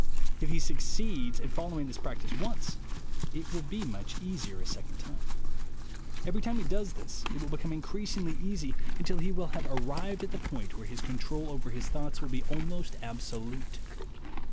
If he succeeds in following this practice once, it will be much easier a second time. Every time he does this it will become increasingly easy, until he will have arrived THE WAY TO WILL POWER 119 at the point where his control over his thoughts will be almost absolute.